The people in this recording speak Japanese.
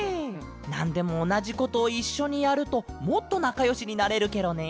なんでもおなじことをいっしょにやるともっとなかよしになれるケロね。